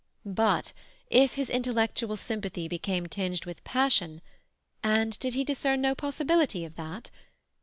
But if his intellectual sympathy became tinged with passion—and did he discern no possibility of that?